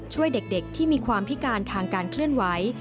ช่วยเด็กที่มีความพิการทางการเคลื่อนไหว